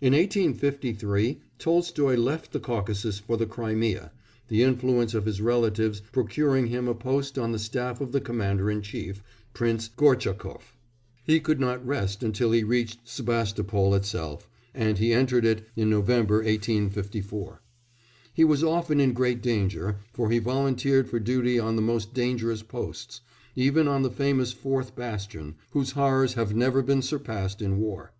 In 1853 Tolstoy left the Caucasus for the Crimea, the influence of his relatives procuring him a post on the staff of the Commander in Chief, Prince Gorchakoff. He could not rest until he reached Sebastopol itself, and he entered it in November 1854. He was often in great danger, for he volunteered for duty on the most dangerous posts, even on the famous fourth bastion, whose horrors have never been surpassed in war.